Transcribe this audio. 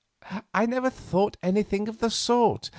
"I never thought anything of the sort.